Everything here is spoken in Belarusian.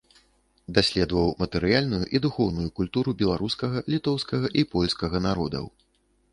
Даследаваў матэрыяльную і духоўную культуру беларускага, літоўскага і польскага народаў.